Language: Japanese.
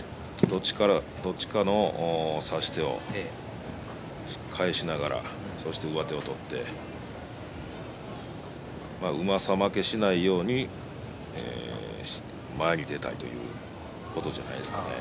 どっちかの差し手を返しながら上手を取ってうまさ負けしないように前に出たいということじゃないですかね。